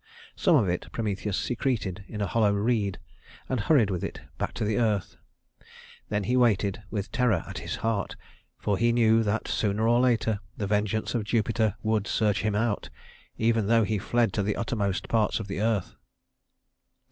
Some of it Prometheus secreted in a hollow reed and hurried with it back to the earth. Then he waited, with terror at his heart, for he knew that sooner or later the vengeance of Jupiter would search him out, even though he fled to the uttermost parts of the earth.